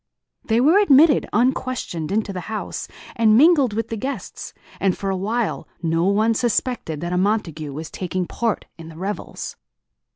They were admitted, unquestioned, into the house, and mingled with the guests; and for awhile no one suspected that a Montague was taking part in the revels.